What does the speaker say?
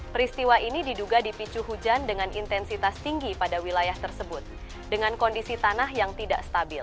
peristiwa ini diduga dipicu hujan dengan intensitas tinggi pada wilayah tersebut dengan kondisi tanah yang tidak stabil